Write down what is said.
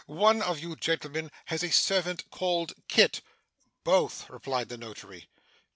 One of you gentlemen has a servant called Kit?' 'Both,' replied the notary.